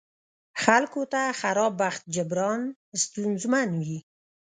خلکو ته خراب بخت جبران ستونزمن وي.